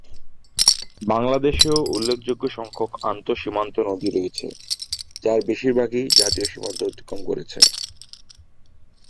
বাংলাদেশেও উল্লেখযোগ্য সংখ্যক আন্তঃসীমান্ত নদী রয়েছে যার বেশিরভাগই জাতীয় সীমান্ত অতিক্রম করেছে।